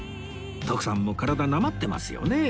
徳さんも体なまってますよね